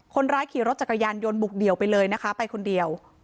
คนร้ายขี่รถจักรยานยนต์บุกเดี่ยวไปเลยนะคะไปคนเดียว